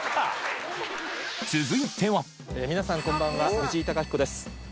続いては皆さんこんばんは藤井貴彦です。